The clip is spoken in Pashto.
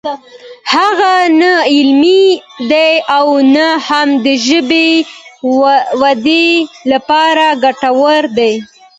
هغه نه علمي دی او نه هم د ژبې د ودې لپاره ګټور دی